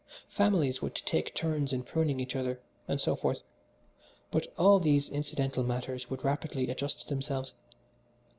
Families would take turns in pruning each other, and so forth; but all these incidental matters would rapidly adjust themselves.